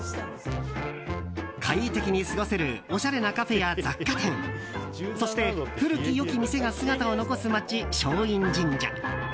快適に過ごせるおしゃれなカフェや雑貨店そして古き良き店が姿を残す街松陰神社。